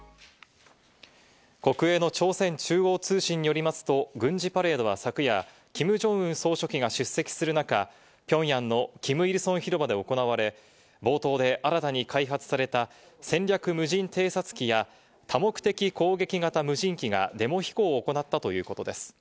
国営の朝鮮中央通信によりますと、軍事パレードは昨夜、キム・ジョンウン総書記が出席する中、ピョンヤンのキム・イルソン広場で行われ、冒頭で新たに開発された戦略無人偵察機や多目的攻撃型無人機がデモ飛行を行ったということです。